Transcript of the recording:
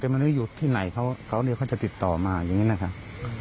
แต่ไม่รู้อยู่ที่ไหนเขาเขาจะติดต่อมาอย่างนี้นะครับ